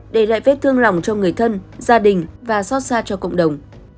để lại vết thương lòng cho người thân gia đình và xót xa cho cộng đồng